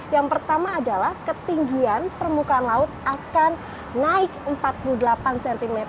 yang pertama adalah ketinggian permukaan laut akan naik empat puluh delapan cm